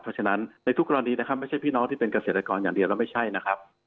เพราะฉะนั้นในทุกกรณีนะครับไม่ใช่พี่น้องที่เป็นเกษตรกรอย่างเดียวแล้วไม่ใช่นะครับ